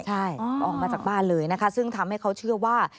ใช่ออกมาจากบ้านเลยนะคะซึ่งทำให้เขาเชื่อว่า